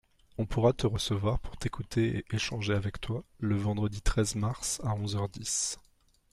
On pourra te recevoir pour t’écouter et échanger avec toi le vendredi treize mars à onze heures dix.